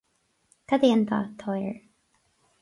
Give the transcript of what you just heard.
Cad é an dath atá air